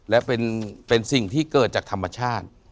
และเป็นสิ่งที่เกิดจากธรรมชาติ